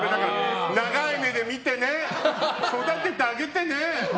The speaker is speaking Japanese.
長い目で見てね育ててあげてね！